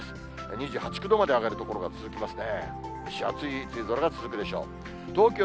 ２８、９度まで上がる所が続きますね。